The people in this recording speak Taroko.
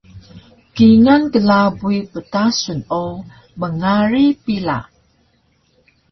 kingal klabuy ptasun o mngari pila